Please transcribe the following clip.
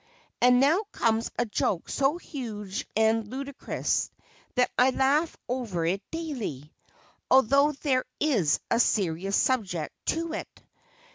And now comes a joke so huge and ludicrous that I laugh over it daily, although there is a serious aspect to it.